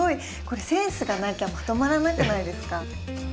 これセンスがなきゃまとまらなくないですか？